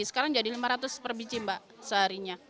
sekarang jadi lima ratus per biji mbak seharinya